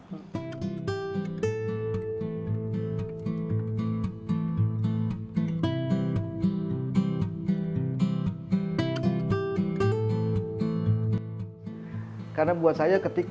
bagaimana cara mencintai karya karya yang paling kecil